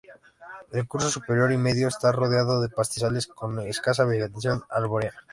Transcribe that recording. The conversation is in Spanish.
El curso superior y medio está rodeado de pastizales, con escasa vegetación arbórea.